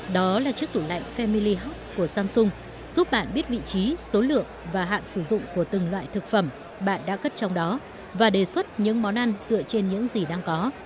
đó là chiếc tủ lạnh family huc của samsung giúp bạn biết vị trí số lượng và hạn sử dụng của từng loại thực phẩm bạn đã cất trong đó và đề xuất những món ăn dựa trên những gì đang có